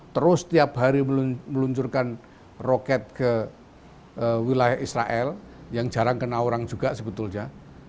terus setiap hari meluncurkan roket ke wilayah israel yang jarang kena orang juga sebetulnya